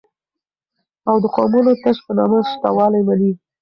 او دقومونو تش په نامه شته والى مني